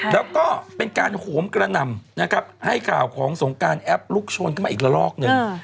แล้วก็เป็นการโหมกระหน่ำนะครับให้ข่าวของสงการแอปลุกชนขึ้นมาอีกละลอกหนึ่ง